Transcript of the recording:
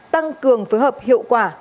tăng cường phối hợp hiệu quả